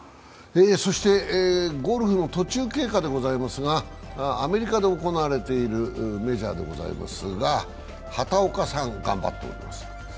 ゴルフの途中経過ですがアメリカで行われているメジャーでございますが、畑岡さん、頑張ってます。